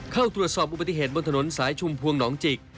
เข้าตรวจสอบอุบัติเหตุบนถนนสายชุมพวงหนองจิก